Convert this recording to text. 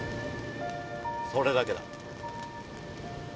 それだけだ。